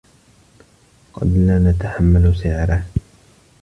قد لا نتحمل سعره.